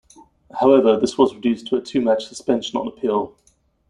However, this was reduced to a two-match suspension on appeal.